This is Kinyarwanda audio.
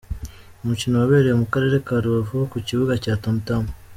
Ni umukino wabereye mu Karere ka Rubavu ku kibuga cya Tam Tam.